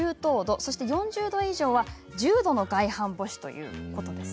そして４０度以上は重度の外反母趾ということになります。